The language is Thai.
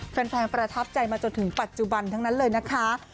ประทับใจมาจนถึงปัจจุบันทั้งนั้นเลยนะคะ